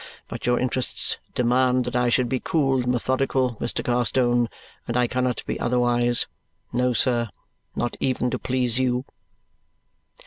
But your interests demand that I should be cool and methodical, Mr. Carstone; and I cannot be otherwise no, sir, not even to please you."